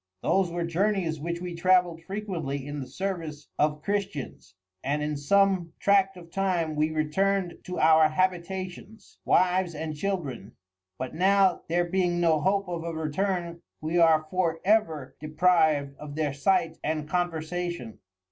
Those were Journeys, which we travelled frequently in the service of Christians, and in some tract of time we return'd to our Habitations, Wives and Children: But now there being no hope of a return, we are for ever depriv'd of their Sight and Conversation.